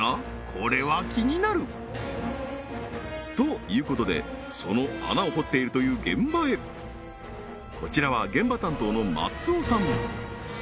これは気になるということでその穴を掘っているという現場へこちらは現場担当の松尾さん